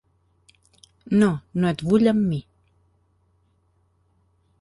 No, no et vull amb mi.